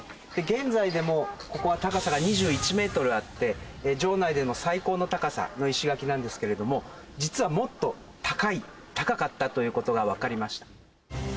現在でもここは、高さが２１ｍあって城内での最高の高さの石垣なんですけれども実は、もっと高かったという事がわかりました。